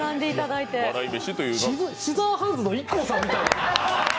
シザーハンズのＩＫＫＯさんみたい。